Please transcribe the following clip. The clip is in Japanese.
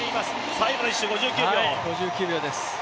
最後の１周、５９秒。